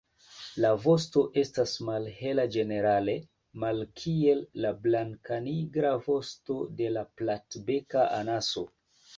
La vosto estas malhela ĝenerale, malkiel la blankanigra vosto de la Platbeka anaso.